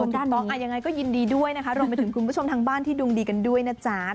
ดวงด้านนี้อย่างไรก็ยินดีด้วยนะคะลงไปถึงคุณผู้ชมทางบ้านที่ดวงดีกันด้วยนะจ๊ะ